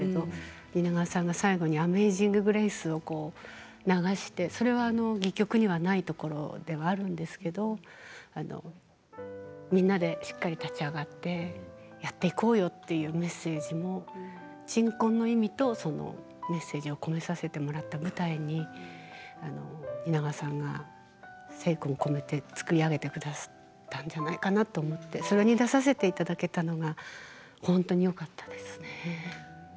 蜷川さんが最後に「アメイジング・グレイス」を流してそれは戯曲にはないところではあるんですけれどみんなでしっかり立ち上がってやっていこうよというメッセージも鎮魂の意味とメッセージを込めさせてもらった舞台に蜷川さんが精根込めて作り上げてくださったんじゃないかなと思ってそれに出させていただけたことが本当によかったです。